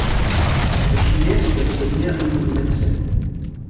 Així és que no tenia un moment seu